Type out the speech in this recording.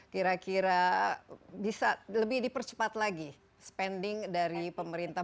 kira kira bisa lebih dipercepat lagi spending dari pemerintah